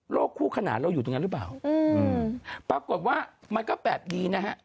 คู่ขนาดเราอยู่ตรงนั้นหรือเปล่าปรากฏว่ามันก็แปลกดีนะฮะ